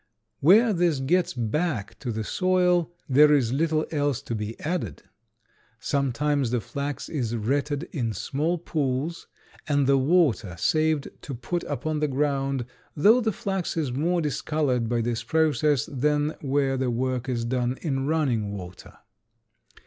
Where this gets back to the soil there is little else to be added. Sometimes the flax is retted in small pools and the water saved to put upon the ground, though the flax is more discolored by this process than where the work is done in running water.